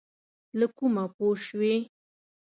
له کومه پوه شوې؟